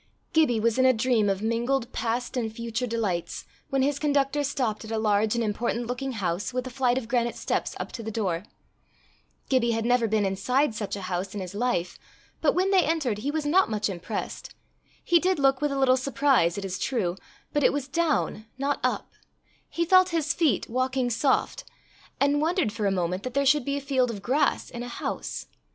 Gibbie was in a dream of mingled past and future delights, when his conductor stopped at a large and important looking house, with a flight of granite steps up to the door. Gibbie had never been inside such a house in his life, but when they entered, he was not much impressed. He did look with a little surprise, it is true, but it was down, not up: he felt his feet walking soft, and wondered for a moment that there should be a field of grass in a house.